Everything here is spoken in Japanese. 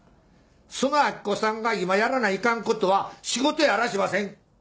その明子さんが今やらないかんことは仕事やあらしません。